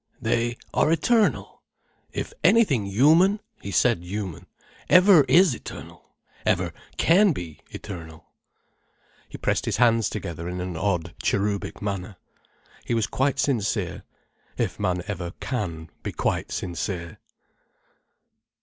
They are eternal—if anything human (he said yuman) ever is eternal, ever can be eternal." He pressed his hands together in an odd cherubic manner. He was quite sincere: if man ever can be quite sincere.